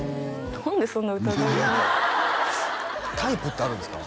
何でそんな疑いの目タイプってあるんですか？